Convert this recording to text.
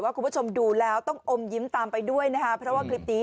คุณผู้ชมดูแล้วต้องอมยิ้มตามไปด้วยนะคะเพราะว่าคลิปนี้